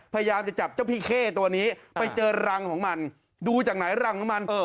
พยายามจะจับเจ้าพี่เข้ตัวนี้ไปเจอรังของมันดูจากไหนรังของมัน